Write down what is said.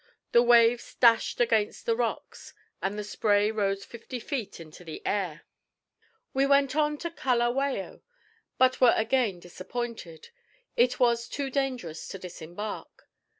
The waves dashed against the rocks, and the spray rose fifty feet into the air. We went on to Kalawao, but were again disappointed; it was too dangerous to disembark.